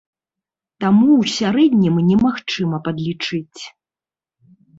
Таму ў сярэднім немагчыма падлічыць.